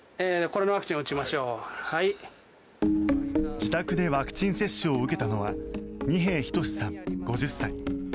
自宅でワクチン接種を受けたのは仁平仁さん、５０歳。